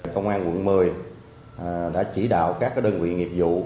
công an quận một mươi đã chỉ đạo các đơn vị nghiệp vụ